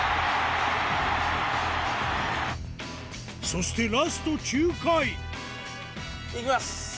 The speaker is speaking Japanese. そしてラスト９回いきます！